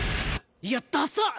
いやダサッ！